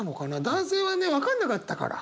男性はね分かんなかったから。